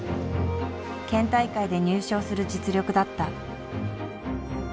県大会で入賞する実力だった。